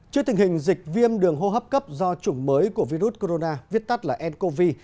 trước tình hình dịch viêm đường hô hấp cấp do chủng mới của virus corona viết tắt là ncov